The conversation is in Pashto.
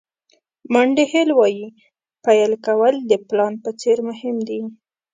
مانډي هیل وایي پیل کول د پلان په څېر مهم دي.